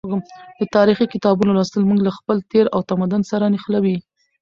د تاریخي کتابونو لوستل موږ له خپل تیر او تمدن سره نښلوي.